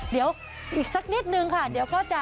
เดี๋ยวอีกสักนิดนึงค่ะเดี๋ยวก็จะ